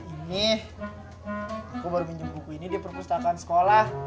ini aku baru minjem buku ini di perpustakaan sekolah